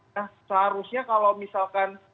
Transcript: seharusnya kalau misalkan